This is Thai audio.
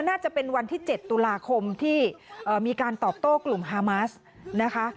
น่าจะเป็นวันที่๗ตุลาคมที่มีการตอบโต้กลุ่มฮามาสนะคะ